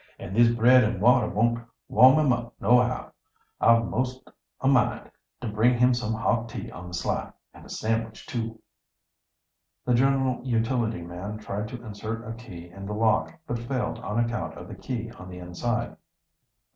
"And this bread and water won't warm him up nohow. I've most a mind to bring him some hot tea on the sly, and a sandwich, too." The general utility man tried to insert a key in the lock, but failed on account of the key on the inside.